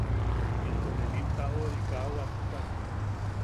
Into ne nim tajoʼori kaa wattak.